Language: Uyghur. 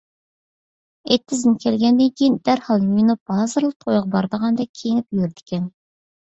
ئېتىزدىن كەلگەندىن كېيىن دەرھال يۇيۇنۇپ، ھازىرلا تويغا بارىدىغاندەك كىيىنىپ يۈرىدىكەن.